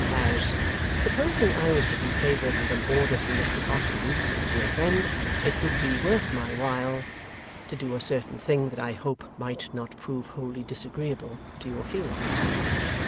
As, 'Supposing I was to be favoured with an order from Mr Boffin, my dear friend, it would be worth my while' to do a certain thing that I hope might not prove wholly disagreeable to your feelings.